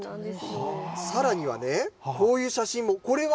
さらにはね、こういう写真も。